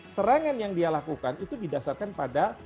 serangan yang dia lakukan itu didasarkan pada